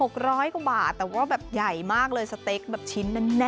๖๐๐กว่าบาทแต่ก็แบบใหญ่มากเลยสเต๊กแบบชิ้นนั้น